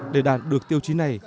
để đạt được tiêu chí này